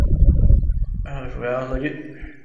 属牂牁郡。